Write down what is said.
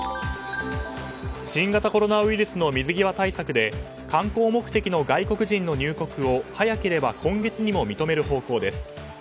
新型コロナウイルスの水際対策で観光目的の外国人の入国を早ければ今月にも認める方向です。